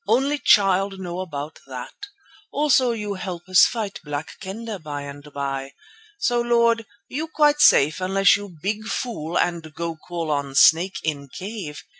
Only Child know about that. Also you help us fight Black Kendah by and by. So, Lord, you quite safe unless you big fool and go call on snake in cave.